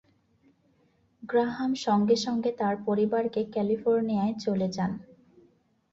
Graham সঙ্গে সঙ্গে তার পরিবারকে ক্যালিফোর্নিয়ায় চলে যান।